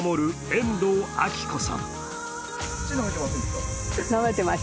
遠藤秋子さん。